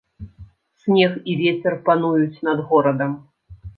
Снег і вецер пануюць над горадам.